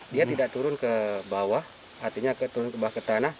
dia tidak turun ke bawah artinya turun ke bawah ke tanah